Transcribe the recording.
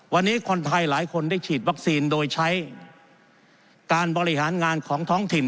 วันนี้คนไทยหลายคนได้ฉีดวัคซีนโดยใช้การบริหารงานของท้องถิ่น